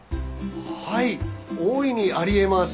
はい大いにありえます。